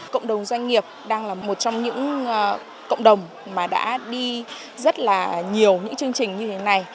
cộng đồng doanh nghiệp đang là một trong những cộng đồng mà đã đi rất là nhiều những chương trình như thế này